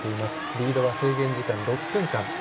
リードは制限時間６分間。